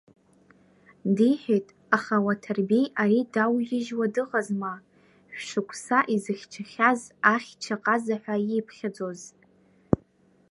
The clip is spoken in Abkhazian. Диҳәеит, аха Уаҭарбеи ари дауижьуа дыҟазма, жәшықәса изыхьчахьаз, ахьча ҟаза ҳәа ииԥхьаӡоз.